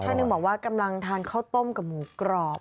ท่านหนึ่งบอกว่ากำลังทานข้าวต้มกับหมูกรอบ